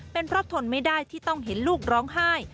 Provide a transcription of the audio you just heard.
เป็นเพราะทนไม่ได้ที่ต้องเห็นลูกร้องไห้